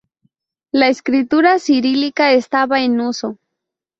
La escritura cirílica estaba en uso.